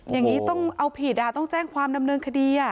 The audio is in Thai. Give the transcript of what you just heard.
อย่างนี้ต้องเอาผิดต้องแจ้งความดำเนินคดี